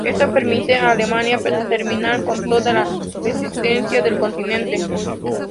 Esto permite a Alemania terminar con toda la resistencia del continente.